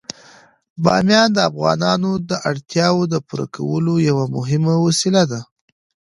بامیان د افغانانو د اړتیاوو د پوره کولو یوه مهمه وسیله ده.